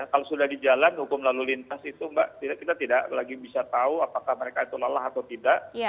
kalau sudah di jalan hukum lalu lintas itu mbak kita tidak lagi bisa tahu apakah mereka itu lelah atau tidak